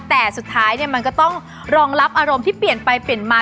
แต่สุดท้ายมันก็ต้องรองรับอารมณ์ที่เปลี่ยนไปเปลี่ยนมา